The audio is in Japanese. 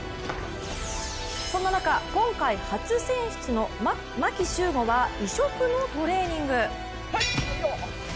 そんな中、今回初選出の牧秀悟は異色のトレーニング。